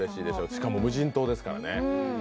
しかも、無人島ですからね。